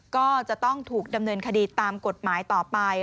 ก็จะต้องถูกดำเนินคดีตามกฎหมายต่อไป